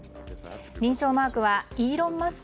認証マークはイーロン・マスク